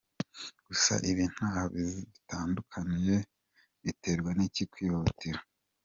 Gusa ibi ntaho bitandukaniye biterwa n’ikikwihutira.